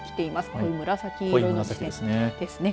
この紫色の地点ですね。